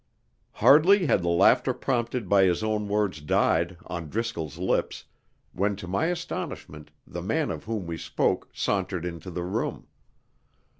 Hardly had the laughter prompted by his own words died on Driscoll's lips, when to my astonishment the man of whom we spoke sauntered into the room.